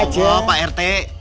masya allah pak rt